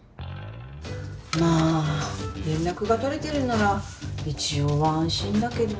まあ連絡が取れてるなら一応は安心だけど。